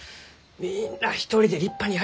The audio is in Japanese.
みんな一人で立派にやりゆう。